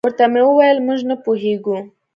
ورته مې وویل: موږ نه پوهېږو.